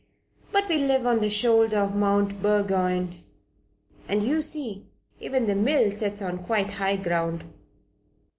But we live on the shoulder of Mount Burgoyne, and you see, even the mill sets on quite high ground."